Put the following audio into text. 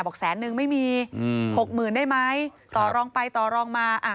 บอกแสนหนึ่งไม่มี๖๐๐๐๐ได้ไหมต่อรองไปต่อรองมา